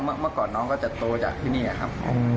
เมื่อก่อนน้องก็จะโตจากที่นี่ครับ